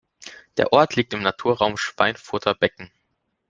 Der Ort liegt im Naturraum Schweinfurter Becken.